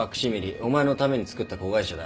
お前のためにつくった子会社だ。